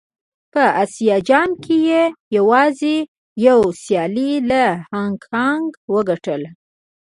په اسيا جام کې يې يوازې يوه سيالي له هانګ کانګ وګټله.